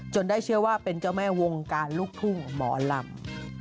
ได้เชื่อว่าเป็นเจ้าแม่วงการลูกทุ่งหมอลำ